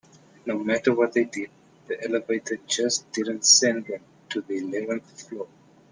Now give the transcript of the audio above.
No matter what they did, the elevator just didn't send them to the eleventh floor.